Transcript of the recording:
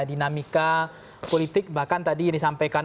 dinamika politik bahkan tadi yang disampaikan